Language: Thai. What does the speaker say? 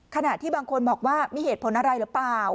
ขณะที่บางคนบอกว่ามีเหตุผลอะไรหรือเปล่า